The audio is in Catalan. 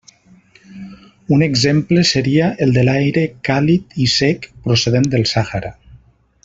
Un exemple seria el de l'aire càlid i sec, procedent del Sàhara.